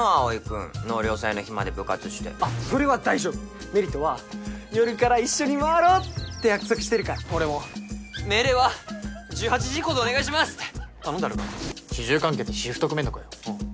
葵君納涼祭の日まで部活してあっそれは大丈夫芽李とは夜から一緒に回ろうって約束してるから俺も命令は１８時以降でお願いしますって頼んであるから主従関係ってシフト組めんのかよ